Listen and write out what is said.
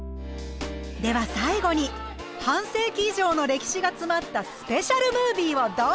では最後に半世紀以上の歴史が詰まったスペシャルムービーをどうぞ！